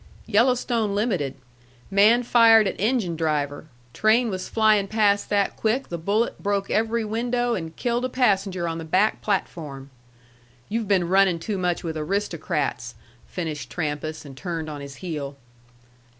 "Yellowstone Limited. Man fired at engine driver. Train was flying past that quick the bullet broke every window and killed a passenger on the back platform. You've been running too much with aristocrats," finished Trampas, and turned on his heel.